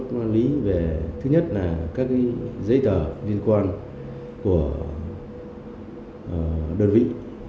quản lý về thứ nhất là các giấy tờ liên quan của đơn vị